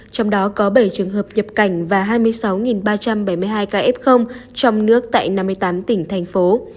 trong đó có bảy trường hợp nhập cảnh và hai mươi sáu ba trăm bảy mươi hai ca f trong nước tại năm mươi tám tỉnh thành phố